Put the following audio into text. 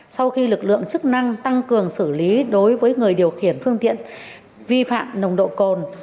sau khi lực lượng chức năng tăng cường xử lý đối với người điều khiển phương tiện vi phạm nồng độ cồn